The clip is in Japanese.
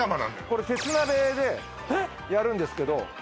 これ鉄鍋でやるんですけどえっ？